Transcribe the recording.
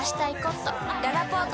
ららぽーと